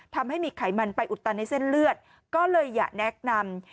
ทำให้มีไขมันไปอุดตันในเส้นเลือดก็เลยอยากแนะนำ